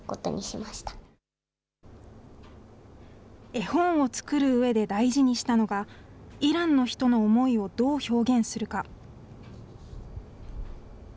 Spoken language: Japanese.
絵本を作るうえで大事にしたのが、イランの人の思いをどう表現するか。